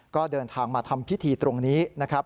ก็เดินทางมาทำพิธีตรงนี้นะครับ